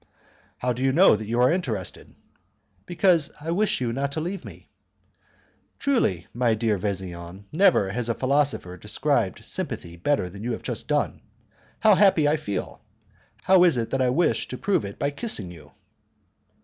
"How do you know that you are interested?" "Because I wish you not to leave me." "Truly, my dear Vesian, never has a philosopher described sympathy better than you have just done. How happy I feel! How is it that I wish to prove it by kissing you?"